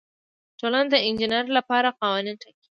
ټولنه د انجینر لپاره قوانین ټاکي.